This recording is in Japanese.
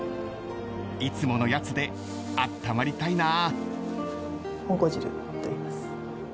［いつものやつであったまりたいなあ］